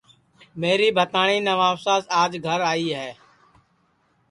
میری بھتاٹؔی نواساس آج گھر آئی ہے